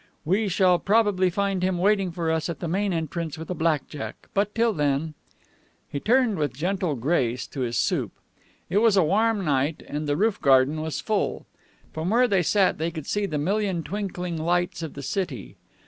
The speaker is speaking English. We shall probably find him waiting for us at the main entrance with a black jack, but till then " He turned with gentle grace to his soup. It was a warm night, and the roof garden was full. From where they sat they could see the million twinkling lights of the city.